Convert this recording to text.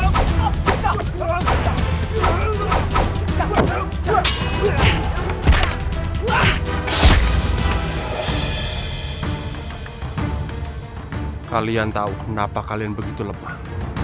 kalian tahu kenapa kalian begitu lemah